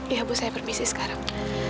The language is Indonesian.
ya bu saya permisi sekarang